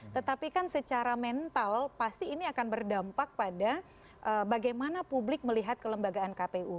tetapi kan secara mental pasti ini akan berdampak pada bagaimana publik melihat kelembagaan kpu